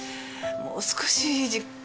もう少し。